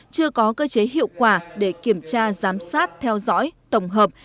chưa có cơ chế hiệu quả để kiểm tra giám sát theo dõi tổng hợp